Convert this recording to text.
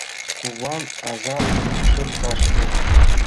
Куван аза шепкаште